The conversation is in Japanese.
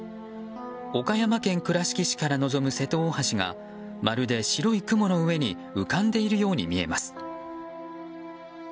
岡山県倉敷市から望む瀬戸大橋がまるで白い雲の上に浮かんでいるように見えます。